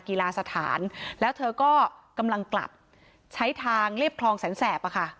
กีฬาสถานแล้วเธอก็กำลังกลับใช้ทางเรียบคลองแสนแสบ